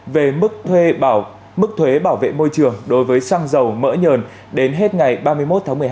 về mức thuê mức thuế bảo vệ môi trường đối với xăng dầu mỡ nhờn đến hết ngày ba mươi một tháng một mươi hai